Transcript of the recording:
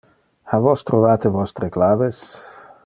Ha vos trovate vostre claves?